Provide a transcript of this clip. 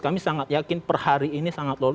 kami sangat yakin per hari ini sangat lolos